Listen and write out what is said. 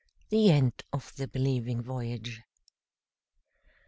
THE END OF THE BELIEVING VOYAGE.